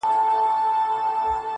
دى خو بېله تانه كيسې نه كوي.